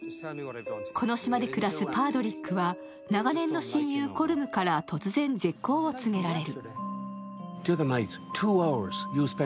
この島で暮らすパードリックは長年の親友、コルムから突然、絶好を告げられる。